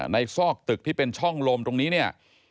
ในซอกตึกที่เป็นช่องลมตรงนี้